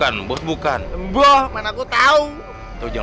ah gue mau tengok dulu deh